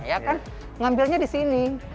ya kan ngambilnya di sini